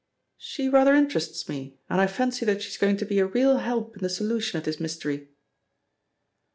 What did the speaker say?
"She rather interests me, and I fancy that she is going to be a real help in the solution of this mystery."